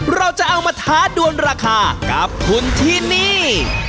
เราจะเอามาท้าดวนราคากับคุณที่นี่